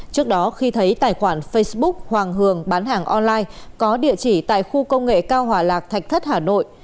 trước đó khi thấy tài khoản facebook hoàng hường bán hàng online có địa chỉ tại khu công nghệ cao hòa lạc thạch thất hà nội